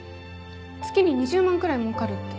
月に２０万くらい儲かるって。